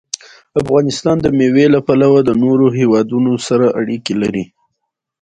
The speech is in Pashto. افغانستان د مېوې له پلوه له نورو هېوادونو سره اړیکې لري.